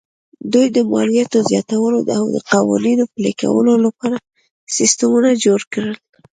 دوی د مالیاتو زیاتولو او د قوانینو پلي کولو لپاره سیستمونه جوړ کړل